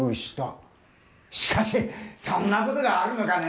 しかしそんなことがあるのかね。